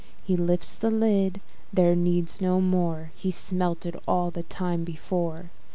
He lifts the lid: there needs no more, He smelt it all the time before.